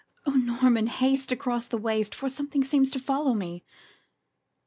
"O Norman, haste across this waste For something seems to follow me!"